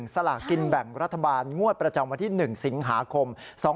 สลากินแบ่งรัฐบาลงวดประจำวันที่๑สิงหาคม๒๕๖๒